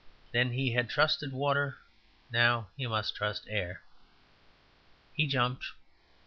Then he had trusted water; now he must trust air. He jumped.